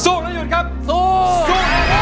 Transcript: สู้แล้วหยุดครับสู้